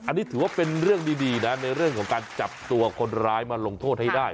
อันนี้ถือว่าเป็นเรื่องดีนะในเรื่องของการจับตัวคนร้ายมาลงโทษให้ได้